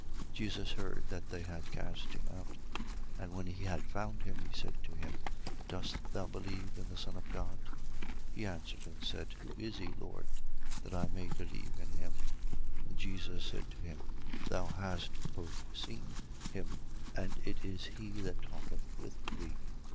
9:35. Jesus heard that they had cast him out. And when he had found him, he said to him: Dost thou believe in the Son of God? 9:36. He answered, and said: Who is he, Lord, that I may believe in him? 9:37. And Jesus said to him: Thou hast both seen him; and it is he that talketh with thee.